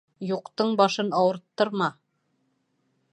Юҡтың башын ауырттырма.